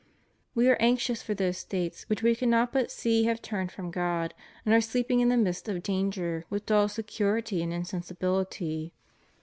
We are anxious for those States which We cannot but see have turned from God, and are sleeping in the midst of danger with dull security and insensi bility.